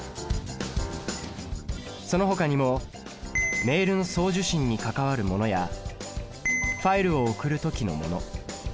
そのほかにもメールの送受信に関わるものやファイルを送る時のもの